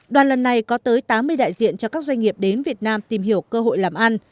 đoàn lần này có tới tám mươi đại diện cho các doanh nghiệp đến việt nam tìm hiểu cơ hội làm ăn